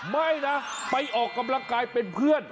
ไม่นะไปออกกำลังกายเป็นเพื่อน